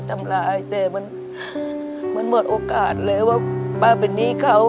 ทำร้ายแต่มันเหมือนหมดโอกาสเลยว่าป้าเป็นหนี้เขา